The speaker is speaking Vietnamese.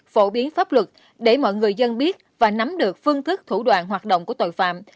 phổ biến pháp luật để mọi người dân biết và nắm được phương thức thủ đoạn hoạt động của tội phạm